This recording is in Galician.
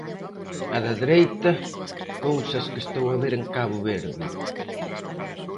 A da dereita: Cousas que estou a ver en Cabo Verde.